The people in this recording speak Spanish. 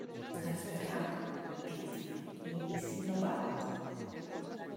a esperar? piti, ¿ y si no va ?